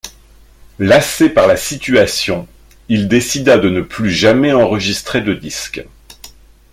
Lassé par la situation, il décida de ne plus jamais enregistrer de disque.